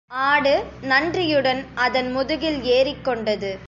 ஆடு நன்றியுடன் அதன் முதுகில் ஏறிக் கொண்டது.